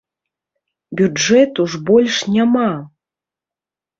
Бюджэту ж больш няма!